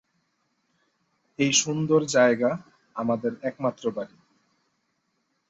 এই সুন্দর জায়গা আমাদের একমাত্র বাড়ি।